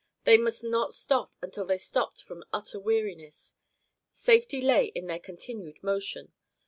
They must not stop until they stopped from utter weariness. Safety lay in their continued motion.